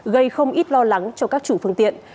gây không ít lo lắng cho các chủ phương tiện